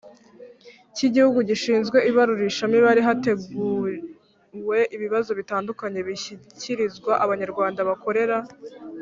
cy igihugu gishinzwe ibarurishamibare hateguwe ibibazo bitandukanye bishyikirizwa abanyarwanda bakorera